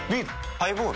ハイボール？